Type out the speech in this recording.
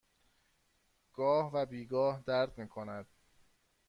گاه و بیگاه درد می کند.